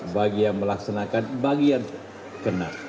bagi yang melaksanakan bagi yang kena